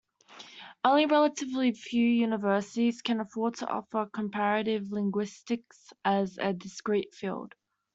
Only relatively few universities can afford to offer Comparative linguistics as a discrete field.